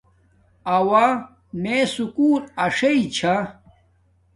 آوہ میے سکُول اݽݵ چھا